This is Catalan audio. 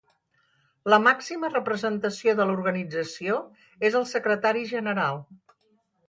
La màxima representació de l'organització és el Secretari General.